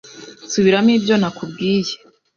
Subiramo ibyo nakubwiye.